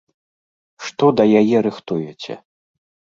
Што да яе рыхтуеце?